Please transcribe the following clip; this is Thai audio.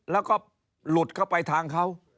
แล้วก็หลุดเข้าไปทางเขา